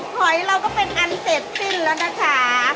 หอยเราก็เป็นอันเสร็จสิ้นแล้วนะคะ